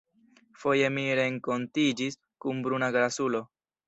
Foje mi renkontiĝis kun bruna grasulo.